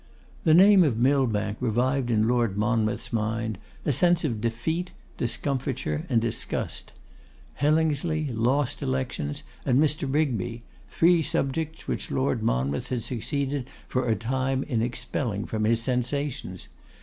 The name of Millbank revived in Lord Monmouth's mind a sense of defeat, discomfiture, and disgust; Hellingsley, lost elections, and Mr. Rigby; three subjects which Lord Monmouth had succeeded for a time in expelling from his sensations.